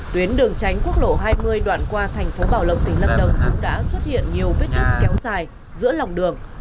tuyến đường tránh quốc lộ hai mươi đoạn qua thành phố bảo lộng tỉnh đắk nông cũng đã xuất hiện nhiều vết nứt kéo dài giữa lòng đường